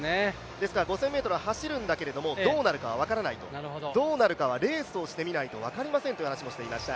ですから５０００ｍは走るんだけれども、どうなるかは分からないとどうなるかはレースをしてみないと分かりませんと言っていました。